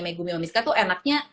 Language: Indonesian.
megumi sama misca tuh enaknya